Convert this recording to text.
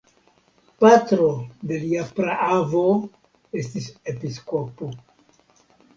Patro de lia praavo estis episkopo.